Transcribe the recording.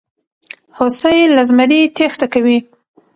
هوسۍ له زمري تېښته کوي.